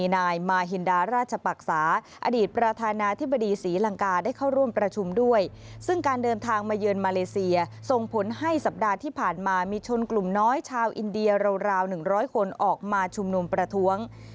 น้อยชาวอินเดียราวหนึ่งร้อยคนออกมาชุมนมประท้วง